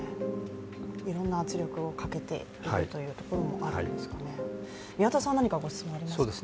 いろんな圧力をかけているというところもあるんですかね、宮田さんは何かご質問ありますか？